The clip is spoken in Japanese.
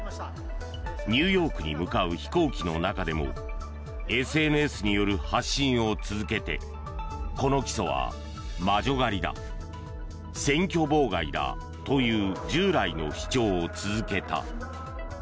ニューヨークに向かう飛行機の中でもＳＮＳによる発信を続けてこの起訴は魔女狩りだ選挙妨害だという従来の主張を続けた。